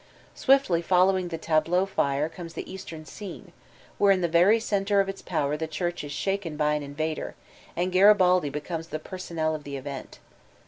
Swiftly following the tableau fire comes Ifie eastern scene, where, in the very center of its power the Qrarch is shaken by an invader, and Giaribaldi becomes the per sonnel of the event.